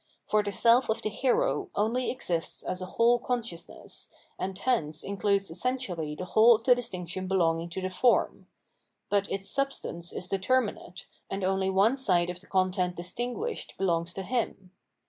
For the self of the hero only exists as a whole consciousness, and hence includes essentially the whole of the distinction be longing to the form ; but its substance is determinate, and only one side of the content distinguished belongs to him.